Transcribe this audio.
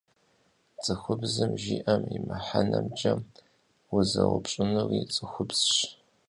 ЦӀыхубзым жиӏэм и мыхьэнэмкӀэ узэупщӀынури цӀыхубзщ.